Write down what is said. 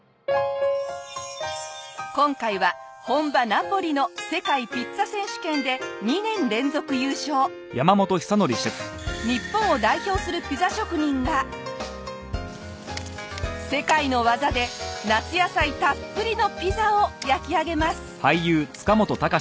今回は本場ナポリの日本を代表するピザ職人が世界の技で夏野菜たっぷりのピザを焼き上げます。